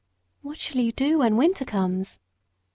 "What shall you do when winter comes?"